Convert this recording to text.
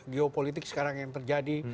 geopolitik sekarang yang terjadi